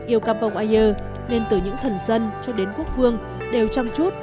yêu campong ayer nên từ những thần dân cho đến quốc vương đều chăm chút